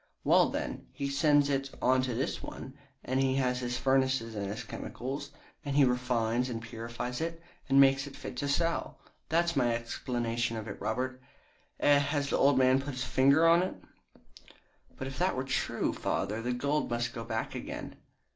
Well, then, he sends it on to this one, and he has his furnaces and his chemicals, and he refines and purifies it and makes it fit to sell. That's my explanation of it, Robert. Eh, has the old man put his finger on it?" "But if that were true, father, the gold must go back again."